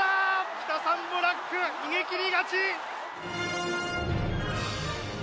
キタサンブラック逃げ切り勝ち！